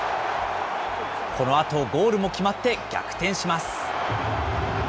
このあとゴールも決まって逆転します。